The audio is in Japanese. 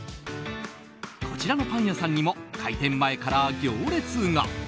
こちらのパン屋さんにも開店前から行列が。